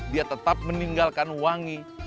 dia tetap meninggalkan wangi